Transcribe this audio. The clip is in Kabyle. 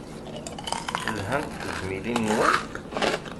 Lhant tezmilin-nwen?